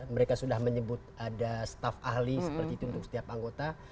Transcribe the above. mereka sudah menyebut ada staf ahli seperti itu untuk setiap anggota